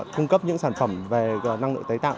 cung cấp những sản phẩm về năng lượng tái tạo